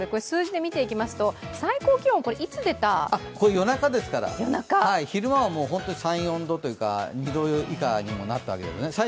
数字で見ていきますと最高気温、これ、いつ出た夜中ですから、昼間は本当に３４度というか２度以下にもなったわけですね。